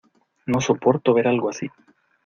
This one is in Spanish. No soporto ver algo así